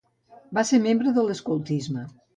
Va ser membre de l'escoltisme.